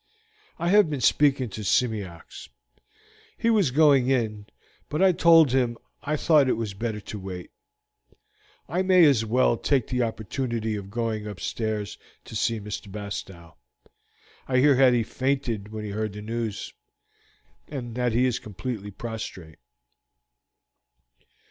I have been speaking to Simeox; he was going in, but I told him I thought it was better to wait. I may as well take the opportunity of going upstairs to see Mr. Bastow. I hear that he fainted when he heard the news, and that he is completely prostrate."